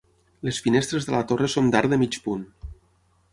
Les finestres de la torre són d'arc de mig punt.